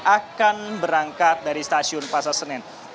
akan berangkat dari stasiun empat senin